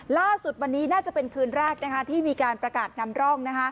ล่าสุดวันนี้น่าจะเป็นคืนแรกที่มีการประกาศนำร่อง